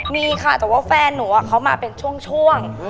มีค่ะแต่ว่าแฟนหนูเขามาเป็นช่วง